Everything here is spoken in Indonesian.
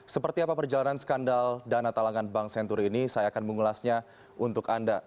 seperti apa perjalanan skandal dana talangan bank senturi ini saya akan mengulasnya untuk anda